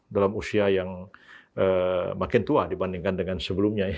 dalam usia yang makin tua dibandingkan dengan sebelumnya